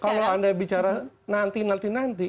kalau anda bicara nanti nanti nanti